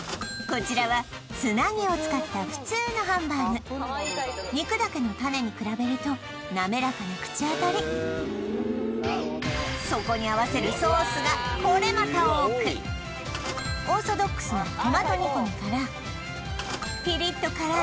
こちらはつなぎを使ったふつうのハンバーグ肉だけのタネに比べるとそこに合わせるソースがこれまた多くオーソドックスなトマト煮込みからピリッと辛い